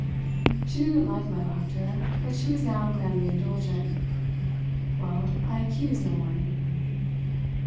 She didn't like my laughter, but she was now grandly indulgent. "Well, I accuse no one."